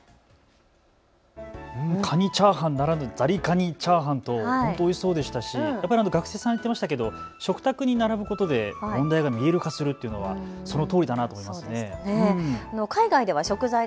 かにチャーハンならぬザリガニチャーハンと本当おいしそうでしたしやっぱり学生さん、言っていましたけど食卓に並ぶことで問題が見える化するというのはそのとおりだなと思います。